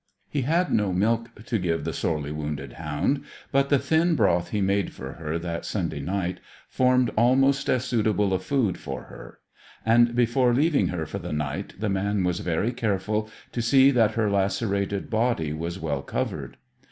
He had no milk to give the sorely wounded hound, but the thin broth he made for her that Sunday night formed almost as suitable a food for her; and before leaving her for the night the man was very careful to see that her lacerated body was well covered.